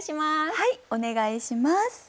はいお願いします。